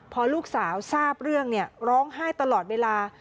พอลูกสาวทราบเรื่องร้องไห้ตลอดเวลา